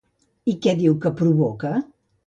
I què diu que provoca?